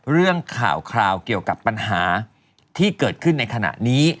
เรื่องข่าวคราวเกี่ยวกับปัญหาที่เกิดขึ้นในขณะนี้